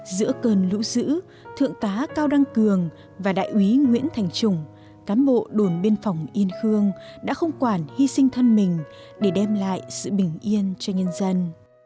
giữa cơn lũ dữ thượng tá cao đăng cường và đại úy nguyễn thành trùng cám bộ đồn biên phòng yên khương đã không quản hy sinh thân mình để đem lại sự bình yên cho nhân dân